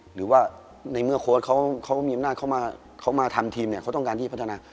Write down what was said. หรือว่าในเมื่อโค้ชเขามีอำนาจเขามาทำทีมเนี่ยเขาต้องการที่พัฒนา